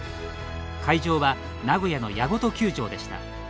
会場は名古屋の八事球場でした。